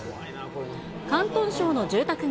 広東省の住宅街。